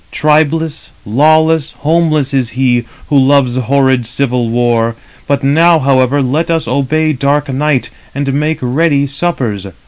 Tribeless, lawless, homeless is he, who loves horrid civil war. But now, however, let us obey dark night, and make ready suppers.